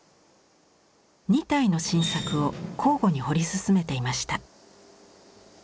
２体の新作を交互に彫り進めていました。